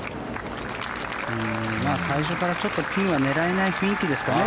最初から、ちょっとピンは狙えない雰囲気ですかね。